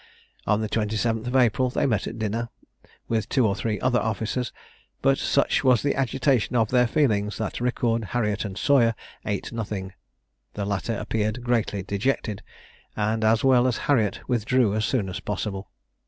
On the 27th of April they met at dinner, with two or three other officers; but such was the agitation of their feelings, that Riccord, Harriet, and Sawyer ate nothing. The latter appeared greatly dejected, and, as well as Harriet, withdrew as soon as possible.